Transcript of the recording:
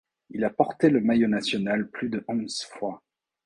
Il a porté le maillot national plus de onze fois.